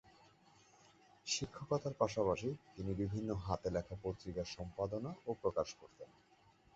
শিক্ষকতার পাশাপাশি তিনি বিভিন্ন হাতে লেখা পত্রিকা সম্পাদনা ও প্রকাশ করতেন।